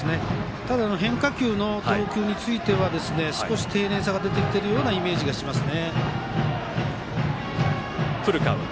ただ変化球の投球については少し丁寧さが出てきているイメージがしますね。